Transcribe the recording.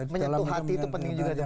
menyentuh hati itu penting juga